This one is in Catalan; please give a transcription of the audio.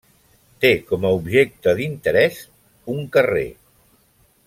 Té com a objecte d'interès un carrer.